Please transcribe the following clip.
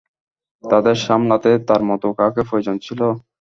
তাদের সামলাতে তার মতো কাউকে প্রয়োজন ছিলো।